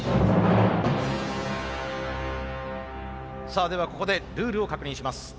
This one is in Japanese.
さあではここでルールを確認します。